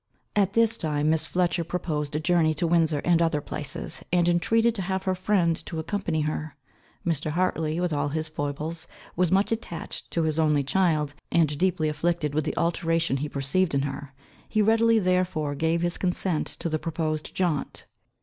At this time Miss Fletcher proposed a journey to Windsor and other places, and intreated to have her friend to accompany her. Mr. Hartley, with all his foibles, was much attached to his only child, and deeply afflicted with the alteration he perceived in her. He readily therefore gave his consent to the proposed jaunt.